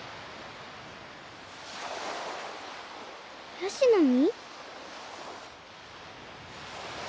椰子の実？